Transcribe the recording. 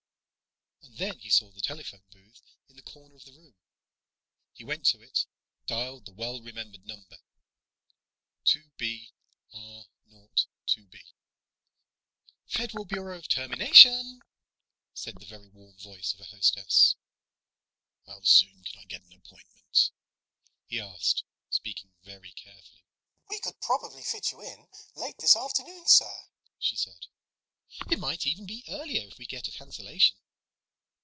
And then he saw the telephone booth in the corner of the room. He went to it, dialed the well remembered number: "2 B R 0 2 B." "Federal Bureau of Termination," said the very warm voice of a hostess. "How soon could I get an appointment?" he asked, speaking very carefully. "We could probably fit you in late this afternoon, sir," she said. "It might even be earlier, if we get a cancellation."